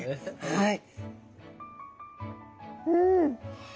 はい。